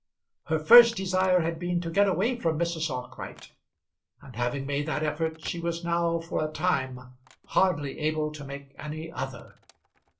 Her first desire had been to get away from Mrs. Arkwright, and having made that effort she was now for a time hardly able to make any other.